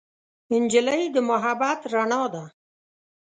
نجلۍ د محبت رڼا ده.